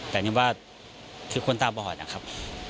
แต่นี่ว่าคือคนตาบอดนะครับ